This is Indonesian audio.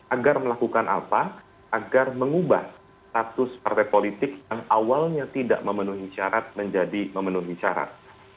agar melakukan apa agar mengubah status partai politik yang awalnya tidak memenuhi syarat menjadi memenuhi syarat